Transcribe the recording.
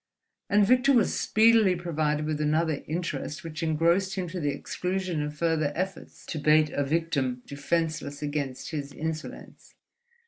And Victor was speedily provided with another interest which engrossed him to the exclusion of further efforts to bait a victim defenseless against his insolence.